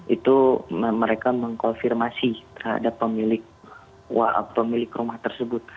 itu mereka mengkonfirmasi terhadap pemilik rumah tersebut